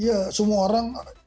iya semua orang